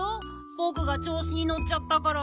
ぼくがちょうしにのっちゃったから。